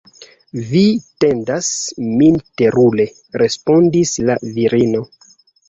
Vi tedas min terure, respondis la virino.